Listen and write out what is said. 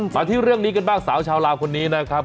มาที่เรื่องนี้กันบ้างสาวชาวลาวคนนี้นะครับ